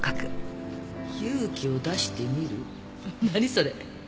それ。